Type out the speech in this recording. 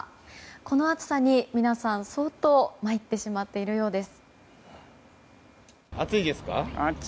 この暑さに皆さん相当参ってしまっているようです。